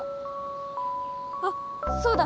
あっそうだ